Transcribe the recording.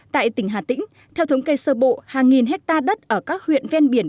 tại tỉnh hà tĩnh theo thống kê sơ bộ hàng nghìn hectare đất ở các huyện ven biển